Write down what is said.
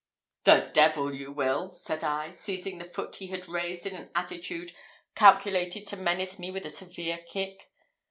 "The devil you will!" said I, seizing the foot he had raised in an attitude calculated to menace me with a severe kick.